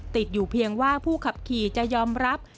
ติดอยู่เพียงว่าผู้ขับขี่จะยอมรับ